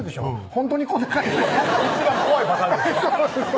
ほんとにこんな感じです一番怖いパターンでしょ？